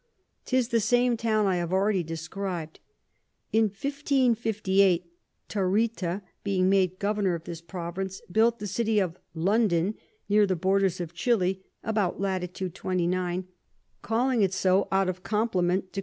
'Tis the same Town I have already describ'd. In 1558. Tarita being made Governour of this Province, built the City of London near the Borders of Chili, about Lat. 29. calling it so out of compliment to Q.